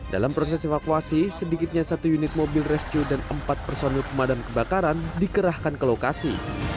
dalam proses evakuasi sedikitnya satu unit mobil rescue dan empat personil pemadam kebakaran dikerahkan ke lokasi